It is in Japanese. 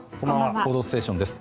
「報道ステーション」です。